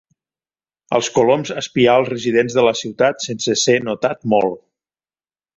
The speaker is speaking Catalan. Els coloms espiar als residents de la ciutat sense ser notat molt.